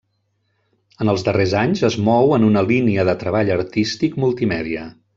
En els darrers anys es mou en una línia de treball artístic multimèdia.